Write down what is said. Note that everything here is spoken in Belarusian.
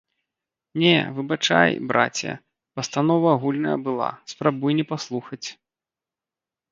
Не, выбачай, браце, пастанова агульная была, спрабуй не паслухаць!